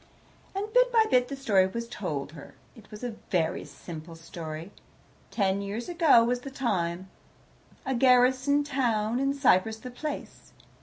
And bit by bit the story was told her. It was a very simple story. Ten years ago was the time, a garrison town in Cyprus the place.